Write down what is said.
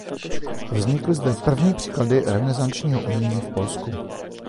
Vznikly zde první příklady renesančního umění v Polsku.